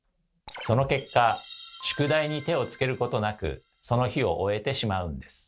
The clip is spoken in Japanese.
その結果宿題に手をつけることなくその日を終えてしまうんです。